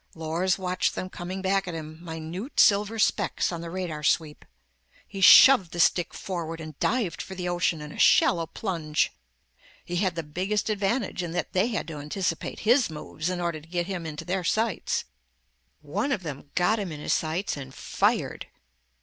Lors watched them coming back at him, minute silver specks on the radar sweep. He shoved the stick forward and dived for the ocean in a shallow plunge. He had the biggest advantage, in that they had to anticipate his moves, in order to get him into their sights. One of them got him in his sights and fired.